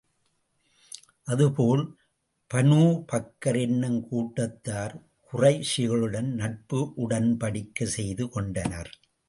அதேபோல், Banu Bakr என்னும் கூட்டத்தார் குறைஷிகளுடன் நட்பு உடன்படிக்கை செய்து கொண்டனர்.